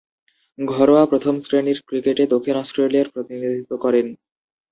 ঘরোয়া প্রথম-শ্রেণীর ক্রিকেটে দক্ষিণ অস্ট্রেলিয়ার প্রতিনিধিত্ব করেন।